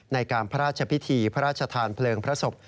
ในการพระราชพิธีพระราชทานเพลิงพระศพ